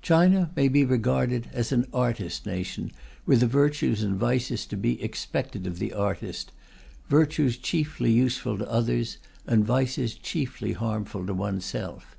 China may be regarded as an artist nation, with the virtues and vices to be expected of the artist: virtues chiefly useful to others, and vices chiefly harmful to oneself.